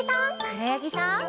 くろやぎさん。